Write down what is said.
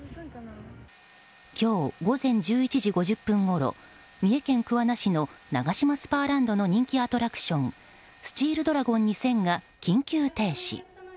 今日午前１１時５０分ごろ三重県桑名市のナガシマスパーランドの人気アトラクションスチールドラゴン２０００が緊急停止。